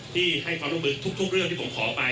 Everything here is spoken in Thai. ที่ให้ความร่วมมือทุกเรื่องที่ผมขอไป